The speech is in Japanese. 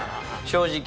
正直。